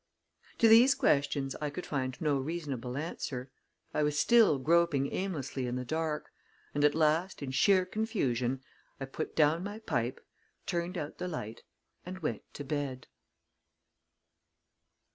To these questions I could find no reasonable answer; I was still groping aimlessly in the dark; and at last in sheer confusion, I put down my pipe, turned out the light, and went to bed.